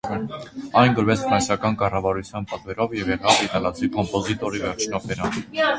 Այն գրվեց ֆրանսիական կառավարության պատվերով և եղավ իտալացի կոմպոզիտորի վերջին օպերան։